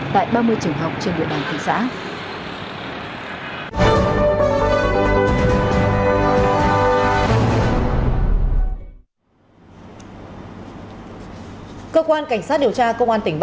tại ba mươi trường học trên địa bàn thị xã